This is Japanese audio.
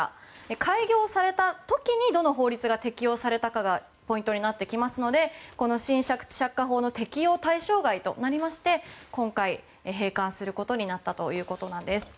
開業された時にどの法律が適用されたかがポイントになってきますのでこの新借地借家法の適用対象外となりまして今回、閉館することになったということなんです。